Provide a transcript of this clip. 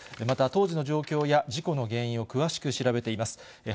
また、当時の状況や事故の原因を詳しく調べています。